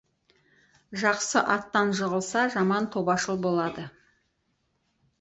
Жақсы аттан жығылса, жаман тобашыл болады.